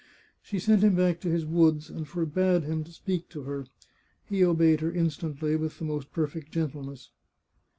She sent him back to his woods, and forbade him to speak to her. He obeyed her instantly, with the most perfect gentleness.